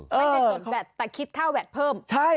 ไม่ได้จดแวดแต่คิดค่าแดดเพิ่ม